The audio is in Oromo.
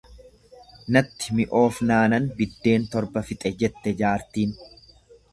Natti mi'oofnaanan biddeen torba fixe jette jaartiin.